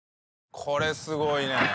これすごいね。